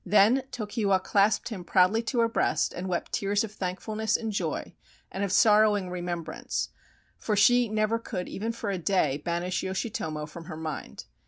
Then Tokiwa clasped him proudly to her breast, and wept tears of thankfulness and joy and of sorrowing remembrance, for she never could even for a day banish Yoshitomo from her mind.